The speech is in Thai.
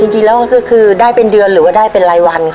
จริงแล้วก็คือได้เป็นเดือนหรือว่าได้เป็นรายวันค่ะ